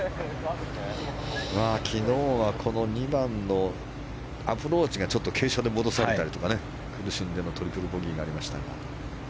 昨日はこの２番のアプローチがちょっと傾斜で戻されたり苦しんでのトリプルボギーがありましたが。